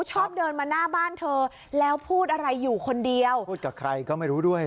ชอบเดินมาหน้าบ้านเธอแล้วพูดอะไรอยู่คนเดียวพูดกับใครก็ไม่รู้ด้วย